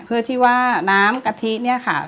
เพื่อที่ว่าน้ำกะทิเนี่ยค่ะ